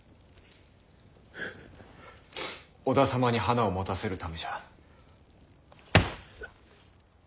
織田様に花を持たせるためじゃ。